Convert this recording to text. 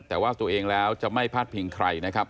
แต่ว่าตัวเองแล้วจะไม่พลาดพิงใครนะครับ